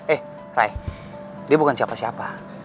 eh rai dia bukan siapa siapa